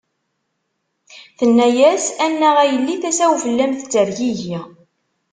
Tenna-as: A nnaɣ a yelli, tasa-w fell-am tettergigi.